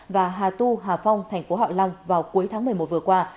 và hà tu hà phong thành phố hạ long vào cuối tháng một mươi một vừa qua